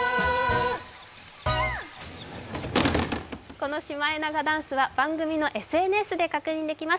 このシマエナガダンスは、番組のＳＮＳで確認できます。